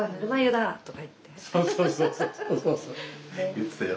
言ってたよ。